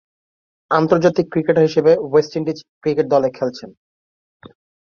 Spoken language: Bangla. আন্তর্জাতিক ক্রিকেটার হিসেবে ওয়েস্ট ইন্ডিজ ক্রিকেট দলে খেলছেন।